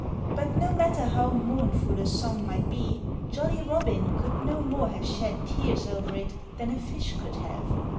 But no matter how mournful a song might be, Jolly Robin could no more have shed tears over it than a fish could have.